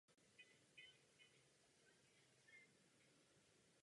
U filmu se uplatnil především jakožto výrazný komediální herec.